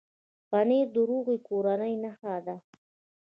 پنېر د روغې کورنۍ نښه ده.